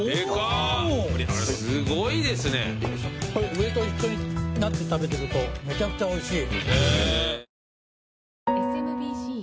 上と一緒になって食べてるとめちゃくちゃおいしい。